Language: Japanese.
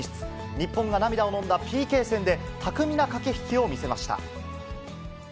日本が涙を飲んだＰＫ戦で、巧みな駆け引きを見せました。